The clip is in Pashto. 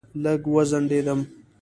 لږ وځنډېدم.